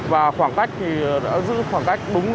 và khoảng cách thì đã giữ khoảng cách đúng